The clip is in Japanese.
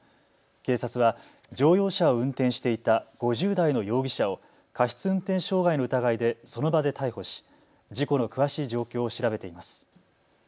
警察は乗用車を運転していた５０代の容疑者を過失運転傷害の疑いでその場で逮捕し事故の詳しい状況を調べています。